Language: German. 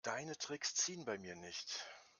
Deine Tricks ziehen bei mir nicht.